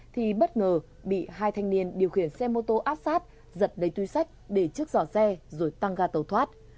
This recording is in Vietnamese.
thì bất ngờ bị hai thanh niên điều khiển xe mô tô áp sát giật đầy tuy sách để trước dò xe rồi tăng ga tàu thoát